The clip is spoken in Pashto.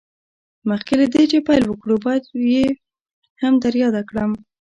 مخکې له دې چې پيل وکړو بايد بيا يې هم در ياده کړم.